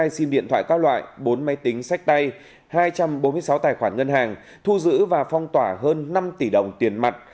một trăm tám mươi hai sim điện thoại các loại bốn máy tính sách tay hai trăm bốn mươi sáu tài khoản ngân hàng thu giữ và phong tỏa hơn năm tỷ đồng tiền mặt